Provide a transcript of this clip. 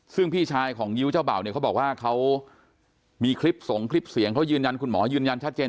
ซึ่งพี่ชายของงิ้วเจ้าเบ่าเนี่ยเขาบอกว่าเขามีคลิปส่งคลิปเสียงเขายืนยันคุณหมอยืนยันชัดเจน